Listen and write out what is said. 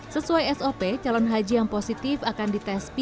sesuai sop calon haji yang positif akan ditandatangani